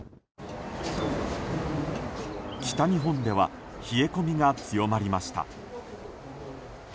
北日本では冷え込みが強まりました。